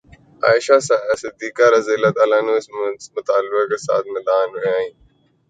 عائشہ صدیقہ رض اس مطالبہ کے ساتھ میدان میں آئیں